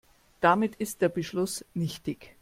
Damit ist der Beschluss nichtig.